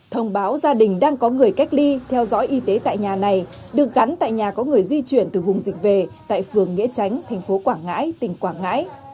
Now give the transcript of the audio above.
thông báo gia đình đang có người cách ly theo dõi y tế tại nhà này được gắn tại nhà có người di chuyển từ vùng dịch về tại phường nghĩa tránh thành phố quảng ngãi tỉnh quảng ngãi